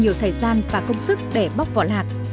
nhiều thời gian và công sức để bóc vỏ lạc